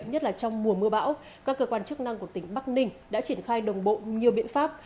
nhất là trong mùa mưa bão các cơ quan chức năng của tỉnh bắc ninh đã triển khai đồng bộ nhiều biện pháp